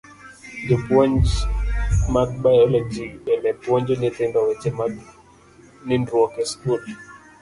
Jopuonj mag biology bende puonjo nyithindo weche mag nindruok e skul.